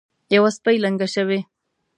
یوه سپۍ لنګه شوې.